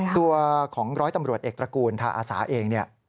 ตัวของร้อยตำรวจเอกตระกูลทาอาสาเองเนี่ย